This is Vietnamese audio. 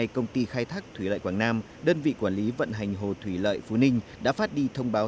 công ty khai thác thủy lợi quảng nam đơn vị quản lý vận hành hồ thủy lợi phú ninh đã phát đi thông báo